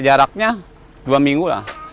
jaraknya dua minggu lah